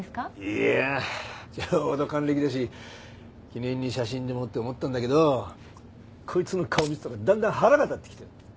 いやあちょうど還暦だし記念に写真でもって思ったんだけどこいつの顔見てたらだんだん腹が立ってきて。